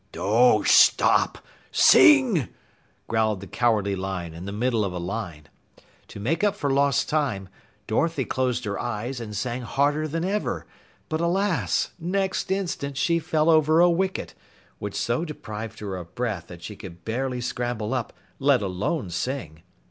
"Don't stop! Sing!" growled the Cowardly Lion in the middle of a line. To make up for lost time, Dorothy closed her eyes and sang harder than ever, but alas! next instant she fell over a wicket, which so deprived her of breath that she could barely scramble up, let alone sing.